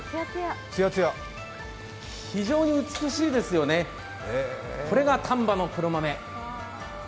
非常に美しいですよね、これが丹波の黒豆。